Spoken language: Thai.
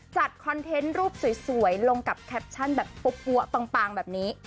คอนเทนต์รูปสวยลงกับแคปชั่นแบบปั๊วปางแบบนี้